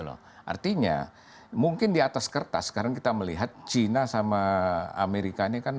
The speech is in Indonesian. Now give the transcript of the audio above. tentu akan menjadi satu kepentingan bersama artinya mungkin di atas kertas sekarang kita melihat china sama amerika ini kan